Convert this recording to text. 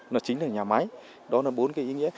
nó chính là nhà máy đó là bốn cái ý nghĩa